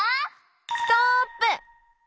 ストップ！